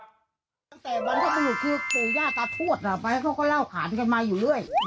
ตั้งแต่วันที่มันอยู่ที่สู่หญ้าตาทวดอ่ะไปเขาก็เล่าขาดกันมาอยู่ด้วย